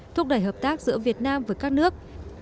thúc đẩy hợp tác giữa việt nam với các nước